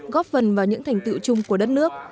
góp phần vào những thành tựu chung của đất nước